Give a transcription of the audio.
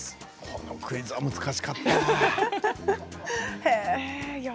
このクイズは難しかった。